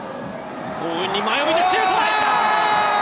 強引に前を向いてシュート！